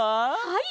はい。